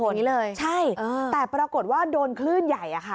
อย่างนี้เลยใช่แต่ปรากฏว่าโดนคลื่นใหญ่อะค่ะ